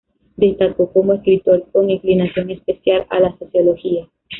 Destacó como escritor, con inclinación especial a la Sociología.